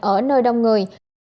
ở nơi đông người